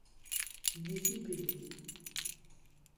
Une équipe est née.